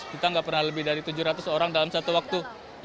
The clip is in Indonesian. kita nggak pernah lebih dari tujuh ratus orang dalam satu waktu